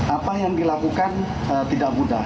apa yang dilakukan tidak mudah